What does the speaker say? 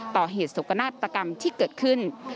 ต่อเหตุสกนาฏกรรมที่เกิดขึ้น